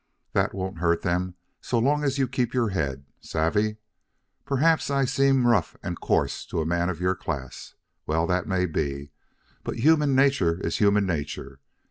That won't hurt them so long as you keep your head. Savvy? Perhaps I seem rough and coarse to a man of your class. Well, that may be. But human nature is human nature.